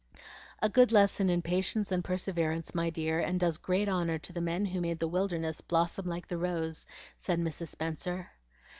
"A good lesson in patience and perseverance, my dear, and does great honor to the men who made the wilderness blossom like the rose," said Mrs. Spenser.